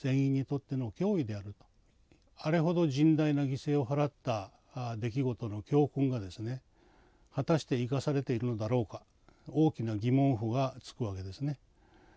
あれほど甚大な犠牲を払った出来事の教訓がですね果たして生かされているのだろうか大きな疑問符がつくわけですね。